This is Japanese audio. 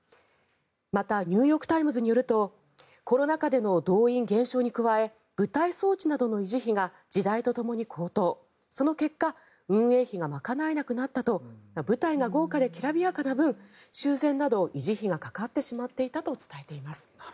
また、ニューヨーク・タイムズによるとコロナ禍での動員減少に加え舞台装置などの維持費が時代とともに高騰その結果、運営費が賄えなくなったと舞台が豪華できらびやかな分修繕など維持費がかかってしまっていたと伝えています。